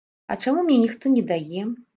А чаму мне ніхто не дае?